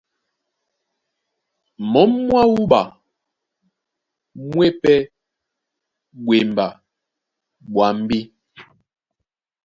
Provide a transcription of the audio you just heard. Mǒm mwá wúɓa mú e pɛ́ ɓwemba ɓwambí.